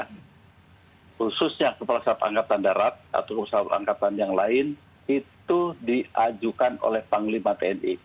khususnya kepala staf angkatan darat atau kepala angkatan yang lain itu diajukan oleh panglima tni